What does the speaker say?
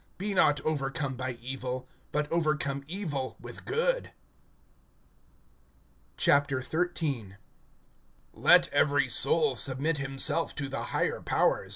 (21)Be not overcome by evil, but overcome evil with good. XIII. LET every soul submit himself to the higher powers.